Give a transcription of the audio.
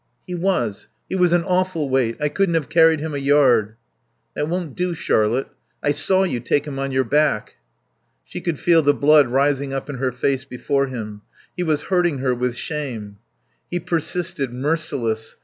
"He was. He was an awful weight. I couldn't have carried him a yard." "That won't do, Charlotte. I saw you take him on your back." She could feel the blood rising up in her face before him. He was hurting her with shame. He persisted, merciless.